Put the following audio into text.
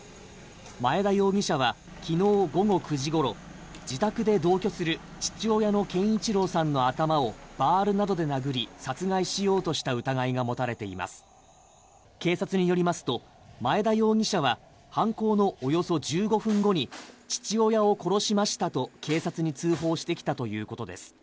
前田容疑者はきのう午後９時ごろ自宅で同居する父親の憲一郎さんの頭をバールなどで殴り殺害しようとした疑いが持たれています警察によりますと前田容疑者は犯行のおよそ１５分後に父親を殺しましたと警察に通報してきたということです